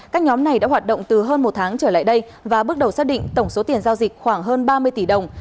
các nhóm này đã hoạt động từ hơn một tháng trở lại đây và bước đầu xác định tổng số tiền giao dịch khoảng hơn ba mươi tỷ đồng